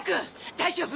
大丈夫？